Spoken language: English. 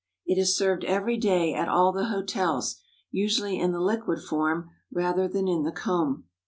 It is served every day at all the hotels, usually in the liquid form rather than in the comb.